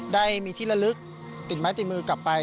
ได้มีที่ละลึกติดไม้ติดมือกลับไป